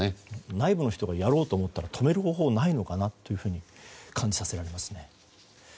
内部の人がやろうと思ったら止める方法がないのかなと感じさせられますね。